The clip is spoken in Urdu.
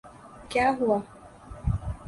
کیا ہوا؟